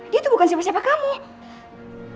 dia tuh bukan siapa siapa kamu